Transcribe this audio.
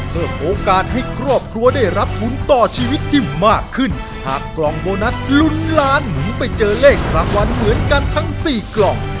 เพิ่มโอกาสให้ครอบครัวได้รับทุนต่อชีวิตที่มากขึ้นหากกล่องโบนัสลุ้นล้านหมุนไปเจอเลขรางวัลเหมือนกันทั้งสี่กล่อง